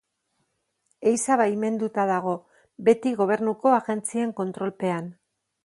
Ehiza baimenduta dago, beti Gobernuko Agentzien kontrolpean.